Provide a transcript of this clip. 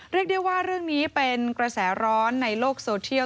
เรียกได้ว่าเรื่องนี้เป็นกระแสร้อนในโลกโซเทียล